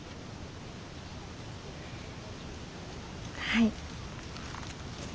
はい。